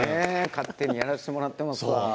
勝手にやらせてもらってますわ。